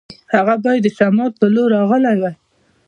هغه باید د شمال په لور راغلی وای.